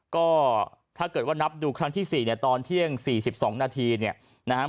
ก็ถ้าเกิดว่านับดูครั้งที่๔เนี่ยตอนเที่ยง๔๒นาทีเนี่ยนะครับ